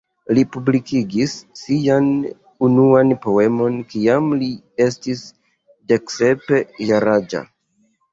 Li publikigis sian unuan poemon kiam li estis deksep jaraĝa.